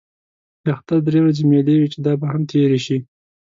د اختر درې ورځې مېلې وې چې دا به هم تېرې شي.